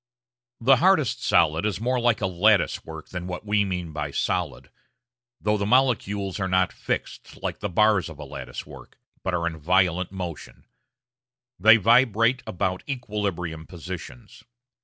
The hardest solid is more like a lattice work than what we usually mean by "solid"; though the molecules are not fixed, like the bars of a lattice work, but are in violent motion; they vibrate about equilibrium positions.